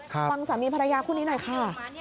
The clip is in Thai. ฟังสามีภรรยาคู่นี้หน่อยค่ะ